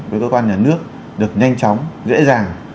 với cơ quan nhà nước được nhanh chóng dễ dàng